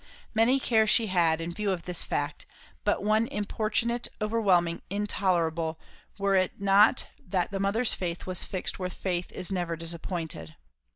Many cares she had not, in view of this fact; but one importunate, overwhelming, intolerable, were it not that the mother's faith was fixed where faith is never disappointed.